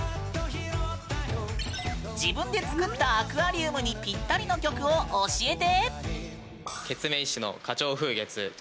自分で作ったアクアリウムにぴったりの曲を教えて！